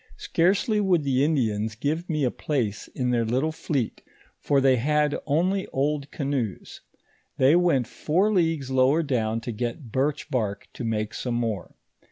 Scarcely would the Indians give me a place in their little fleet, for they had only oid canoes. They went four leagues lower down to get birch bark to make some more.